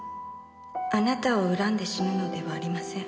「あなたを恨んで死ぬのではありません」